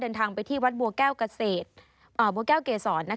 เดินทางไปที่วัดบัวแก้วเกษตรบัวแก้วเกษร